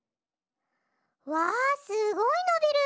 わあすごいのびる！